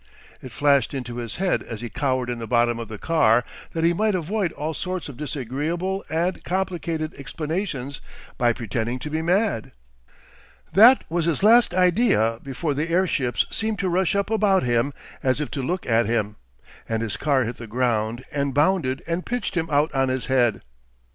It flashed into his head, as he cowered in the bottom of the car, that he might avoid all sorts of disagreeable and complicated explanations by pretending to be mad. That was his last idea before the airships seemed to rush up about him as if to look at him, and his car hit the ground and bounded and pitched him out on his head....